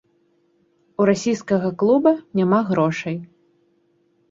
У расійскага клуба няма грошай.